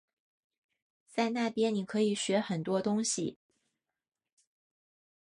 在那边你可以学很多东西